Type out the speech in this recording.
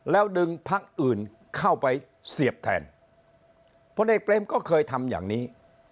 แล้วดึงพักอื่นเข้าไปเสียบแทนพลเอกเปรมก็เคยทำอย่างนี้